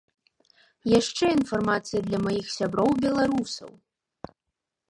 Яшчэ інфармацыя для маіх сяброў беларусаў!